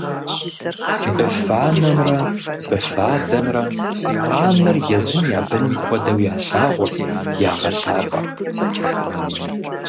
Быфанэмрэ быфадэмрэ къаныр езым я быным хуэдэу ялъагъурт, ягъэлъапӏэрт.